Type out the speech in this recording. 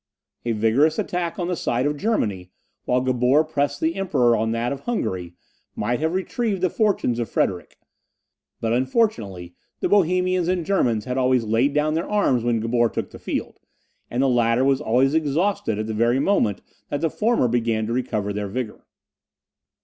A vigorous attack on the side of Germany, while Gabor pressed the Emperor on that of Hungary, might have retrieved the fortunes of Frederick; but, unfortunately, the Bohemians and Germans had always laid down their arms when Gabor took the field; and the latter was always exhausted at the very moment that the former began to recover their vigour.